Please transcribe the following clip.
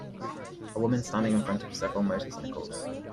a woman standing in front of several motorcycles